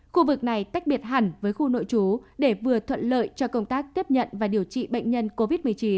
khu vực này tách biệt hẳn với khu nội chú để vừa thuận lợi cho công tác tiếp nhận và điều trị bệnh nhân covid một mươi chín